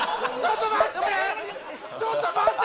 ちょっと待って！